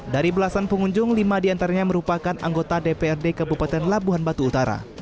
dari belasan pengunjung lima di antaranya merupakan anggota dprd kebupaten labuhan batu utara